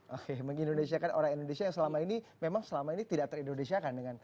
oke mengindonesiakan orang indonesia yang selama ini memang selama ini tidak terindonesiakan